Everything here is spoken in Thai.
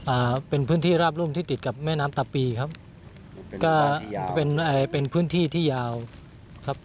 อ่าเป็นพื้นที่ราบรุ่มที่ติดกับแม่น้ำตาปีครับก็เป็นเอ่อเป็นพื้นที่ที่ยาวครับ